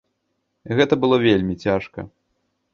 Гэта было вельмі цяжка.